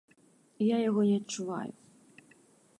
Я яго не адчуваю.